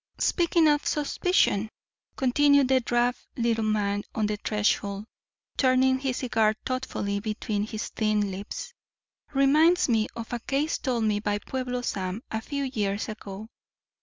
"Speaking of suspicion," continued the drab little man on the threshold, turning his cigar thoughtfully between his thin lips, "reminds me of a case told me by Pueblo Sam, a few years ago.